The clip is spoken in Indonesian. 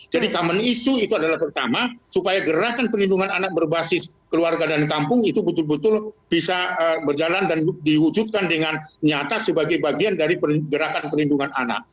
jadi common issue itu adalah pertama supaya gerakan perlindungan anak berbasis keluarga dan kampung itu betul betul bisa berjalan dan diwujudkan dengan nyata sebagai bagian dari gerakan perlindungan anak